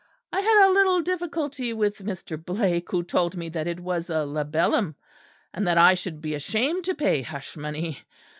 I had a little difficulty with Mr. Blake, who told me that it was a libellum, and that I should be ashamed to pay hush money.